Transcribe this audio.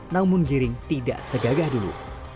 namun giring tidak segagah dulu